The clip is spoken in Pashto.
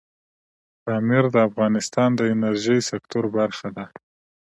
پامیر د افغانستان د انرژۍ سکتور برخه ده.